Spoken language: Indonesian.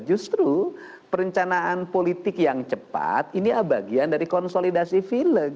justru perencanaan politik yang cepat ini bagian dari konsolidasi film